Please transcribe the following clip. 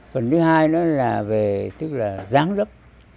phần thứ hai nữa là về tức là dáng lớp